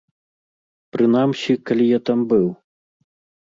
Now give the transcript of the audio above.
Прынамсі, калі я там быў.